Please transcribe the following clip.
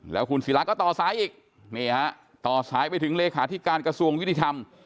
แล้วคุณศิละก็ต่อซ้ายอีกต่อซ้ายไปถึงเลขาธิการกระทรวงวิทยธรรม